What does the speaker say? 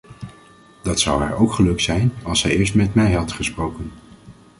Dat zou haar ook gelukt zijn als zij eerst met mij had gesproken.